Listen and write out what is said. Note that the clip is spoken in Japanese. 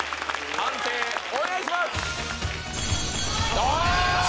判定お願いします！